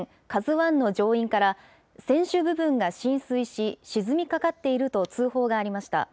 ＫＡＺＵわんの乗員から、船首部分が浸水し、沈みかかっていると通報がありました。